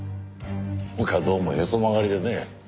僕はどうもへそ曲がりでね。